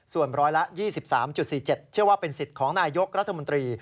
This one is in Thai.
ส่วนร้อยละ๒๓๔๗เชื่อว่าเป็นสิทธิ์ของนายยกรัฐมนตรี